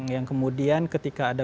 yang kemudian ketika ada